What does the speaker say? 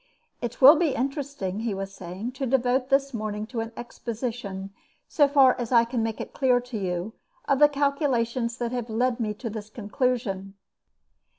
"It will be interesting," he was saying, "to devote this morning to an exposition, so far as I can make it clear to you, of the calculations that have led me to this conclusion.